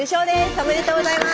おめでとうございます。